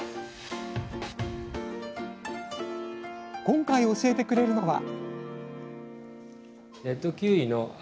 今回教えてくれるのは？